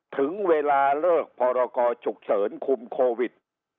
ถึงเวลาเลิกพรกรฉุกเฉินคุมโควิด